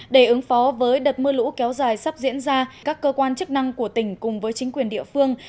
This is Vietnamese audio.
để ứng phó với đợt mưa lũ kéo dài sắp diễn ra các cơ quan chức năng của tỉnh cùng với chính quyền địa phương